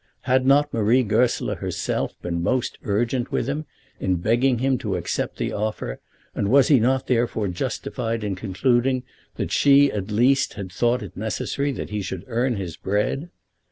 Had not Marie Goesler herself been most urgent with him in begging him to accept the offer; and was he not therefore justified in concluding that she at least had thought it necessary that he should earn his bread?